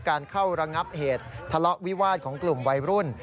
การเข้าระงับเหตุทะเลาะวิวาสของกลุ่มวัยรุ่น